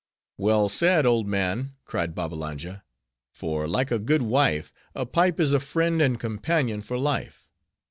"Well said, old man," cried Babbalanja; "for, like a good wife, a pipe is a friend and companion for life.